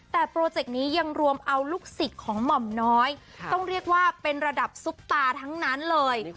แต่โปรเจกต์นี้ยังรวมเอาลูกศิษย์ของหม่อมน้อยต้องเรียกว่าเป็นระดับซุปตาทั้งนั้นเลย